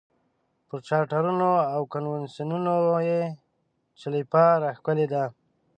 پر چارټرونو او کنونسینونو یې چلیپا راښکلې ده.